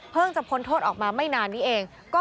จะพ้นโทษออกมาไม่นานนี้เอง